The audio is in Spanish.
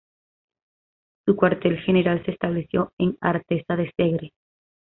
Su cuartel general se estableció en Artesa de Segre.